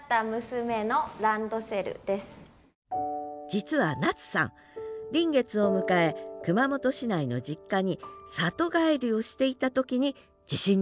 実は夏さん臨月を迎え熊本市内の実家に里帰りをしていた時に地震に遭いました。